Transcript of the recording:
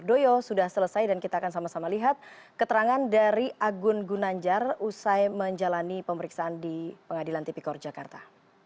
doyo sudah selesai dan kita akan sama sama lihat keterangan dari agun gunanjar usai menjalani pemeriksaan di pengadilan tipikor jakarta